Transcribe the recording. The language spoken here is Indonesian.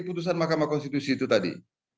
putusan mahkamah konstitusi itu tadi